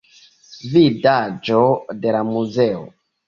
Vidaĵo de la muzeo.